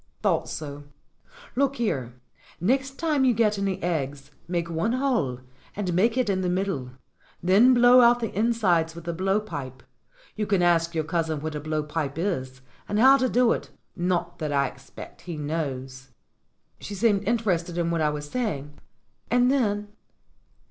"Thought so. Look here, next time you get any eggs, make one hole, and make it in the middle. Then blow out the insides with a blow pipe. You can ask your cousin what a blow pipe is and how to do it not that I expect he knows." She seemed interested in what I was saying. "And then?"